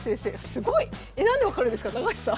すごい！え何で分かるんですか高橋さん。